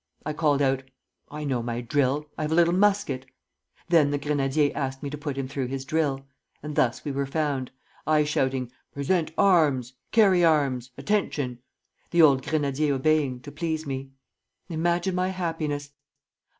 I called out: 'I know my drill. I have a little musket!' Then the grenadier asked me to put him through his drill, and thus we were found, I shouting, 'Present arms! Carry arms! Attention!' the old grenadier obeying, to please me. Imagine my happiness!